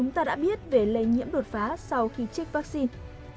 chúng ta đã biết về lây nhiễm đột phá sau khi trích vaccine